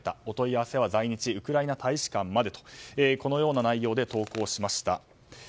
お問い合わせは在日ウクライナ大使館までとこのような内容で投稿しました。